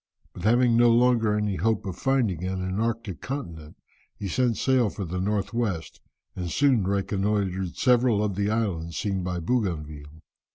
But having no longer any hope of finding an Antarctic continent, he set sail for the north west, and soon reconnoitred several of the islands seen by Bougainville.